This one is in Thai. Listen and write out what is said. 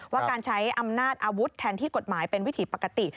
ว่าการใช้อำนาจอาวุธแทนที่กฎหมายเป็นวิถีปกติ